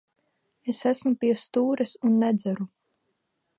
Es esmu pie stūres un nedzeru.